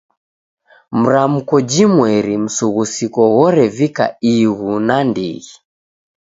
Mramko jimweri msughusiko ghorevika ighu nandighi.